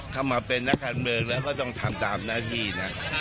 เข้ามาเป็นนักการเมืองแล้วก็ต้องทำตามหน้าที่นะ